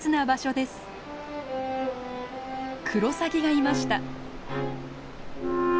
クロサギがいました。